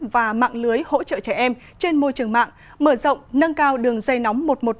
và mạng lưới hỗ trợ trẻ em trên môi trường mạng mở rộng nâng cao đường dây nóng một trăm một mươi năm